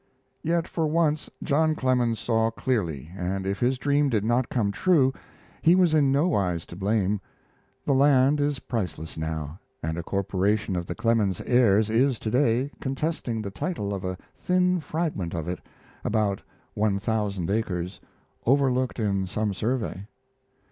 Yet for once John Clemens saw clearly, and if his dream did not come true he was in no wise to blame. The land is priceless now, and a corporation of the Clemens heirs is to day contesting the title of a thin fragment of it about one thousand acres overlooked in some survey.